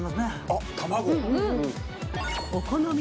あっ卵。